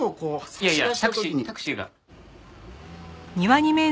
いやいやタクシータクシーが。